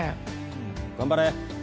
頑張れ！